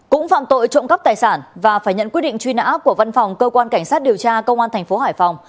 cũng phạm tội trộm cắp tài sản và phải nhận quyết định truy nã của văn phòng cơ quan cảnh sát điều tra công an thành phố hải phòng